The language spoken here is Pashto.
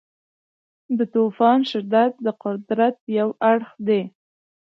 د طوفان شدت د قدرت یو اړخ دی.